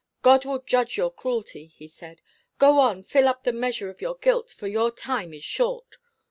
"God will judge your cruelty," he said. "Go on, fill up the measure of your guilt, for your time is short.